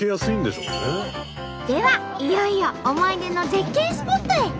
ではいよいよ思い出の絶景スポットへ。